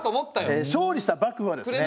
勝利した幕府はですね。